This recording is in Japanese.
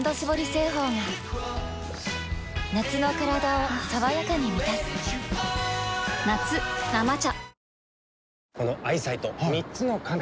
製法が夏のカラダを爽やかに満たす夏「生茶」